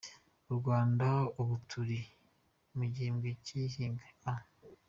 Mu Rwanda ubu turi mu gihembwe cy’ihinga “A”.